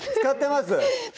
使ってます？